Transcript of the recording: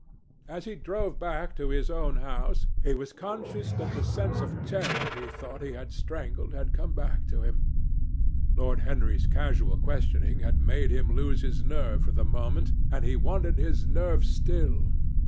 As he drove back to his own house, he was conscious that the sense of terror he thought he had strangled had come back to him. Lord Henry's casual questioning had made him lose his nerve for the moment, and he wanted his nerve still.